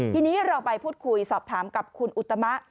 ทีนี้เราไปพูดคุยสอบถามกับคุณอุตมะ